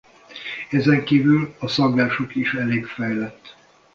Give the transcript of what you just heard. Ezenkívül a szaglásuk is elég fejlett.